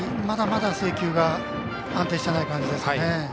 まだまだ制球が安定してない感じですかね。